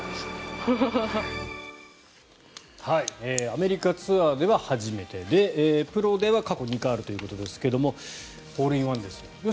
アメリカツアーでは初めてでプロでは過去２回あるということですがホールインワンですよ。